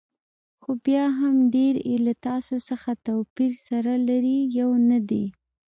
خو بیا هم ډېری یې له تاسو څخه توپیر سره لري، یو نه دي.